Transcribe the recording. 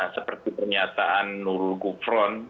seperti pernyataan nurul gufron